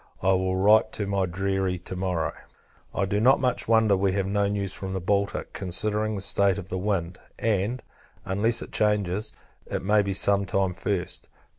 I will write to my deary to morrow. I do not much wonder we have no news from the Baltic, considering the state of the wind; and, unless it changes, it may be some time first.